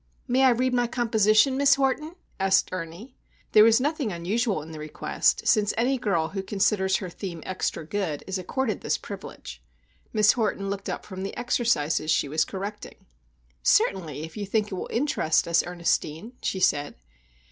"May I read my composition, Miss Horton?" asked Ernie. There was nothing unusual in the request, since any girl who considers her theme extra good is accorded this privilege. Miss Horton looked up from the exercises she was correcting. "Certainly, if you think it will interest us, Ernestine," she said.